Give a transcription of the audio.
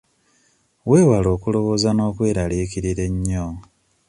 Weewale okulowooza n'okweraliikirira ennyo.